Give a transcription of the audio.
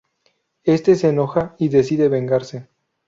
Éste se enoja y decide vengarse.